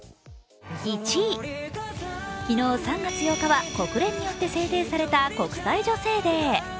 昨日３月８日には国連によって制定された国際女性デー。